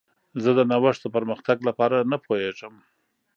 زه د نوښت د پرمختګ لپاره نه پوهیږم.